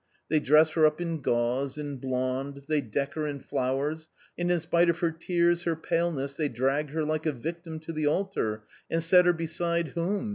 They dress her up in gauze, in blonde, they deck her in flowers, and in spite of her tears, her paleness, they drag her like a victim to the altar and set her beside — whom